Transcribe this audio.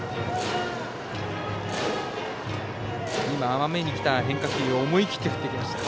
甘めにきた変化球を思い切って振っていきました。